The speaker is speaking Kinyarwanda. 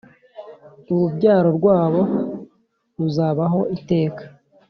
Urubyaro rwabo ruzabaho iteka,